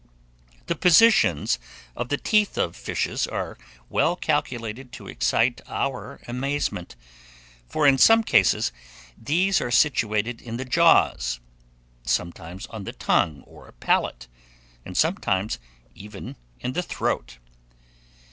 THE POSITIONS OF THE TEETH OF FISHES are well calculated to excite our amazement; for, in some cases, these are situated in the jaws, sometimes on the tongue or palate, and sometimes even in the throat.